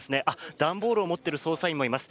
段ボールを持っている捜査員もいます。